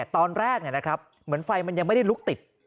ตอนแรกเหมือนไฟมันยังไม่ได้ลุกติด